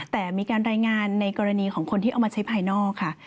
แต่มีการรายงานในกรณีของคนที่เอามาใช้ภายนอกค่ะ